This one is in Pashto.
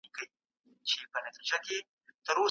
د ټولنيزو ځواکونو ګټي بايد د ملي ګټو تابع وي.